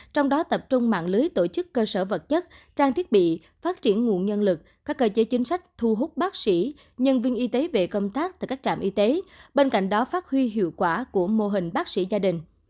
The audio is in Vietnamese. trong đó tập trung mạng lưới tổ chức cơ sở vật chất trang thiết bị phát triển nguồn nhân lực các cơ chế chính sách thu hút bác sĩ nhân viên y tế về công tác tại các trạm y tế bên cạnh đó phát huy hiệu quả của mô hình bác sĩ gia đình